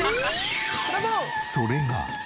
それが。